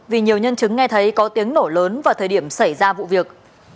vì nhiều nhân chứng nghe thấy có tiếng nổ lớn vào thời điểm xảy ra vụ việc